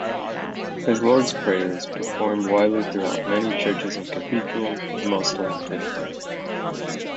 His Lord's Prayer is performed widely throughout many Churches and Cathedrals, mostly in Britain.